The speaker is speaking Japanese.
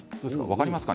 分かりますか？